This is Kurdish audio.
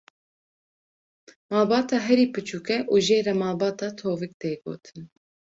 Malbata herî biçûk e û jê re malbata tovik tê gotin.